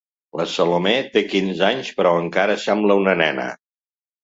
La Salomé té quinze anys però encara sembla una nena.